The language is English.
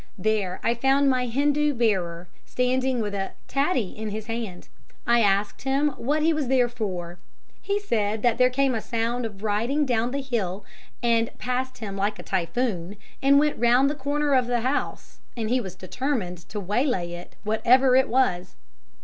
There I found my Hindoo bearer, standing with a tattie in his hand. I asked him what he was there for. He said that there came a sound of riding down the hill, and 'passed him like a typhoon,' and went round the corner of the house, and he was determined to waylay it, whatever it was."